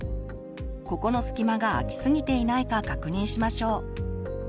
ここの隙間が空きすぎていないか確認しましょう。